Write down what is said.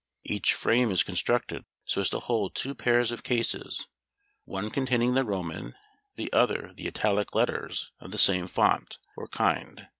Each frame is constructed so as to hold two pairs of cases, one containing the Roman, the other the Italic letters of the same "fount," or kind.